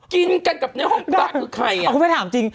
กินกับในห้องพระคือใคร